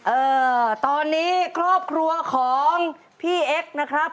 เออตอนนี้ครอบครัวของพี่เอ็กซ์นะครับ